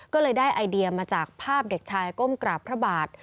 ก็เลยได้ไอเดียมาจากภาพเด็กชายก้มกราบพระบาท